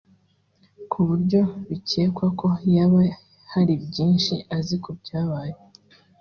ku buryo bikekwa ko yaba hari byinshi azi ku byabaye